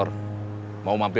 nama tu asli